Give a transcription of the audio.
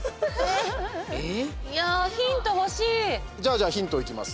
じゃあ、ヒントいきます。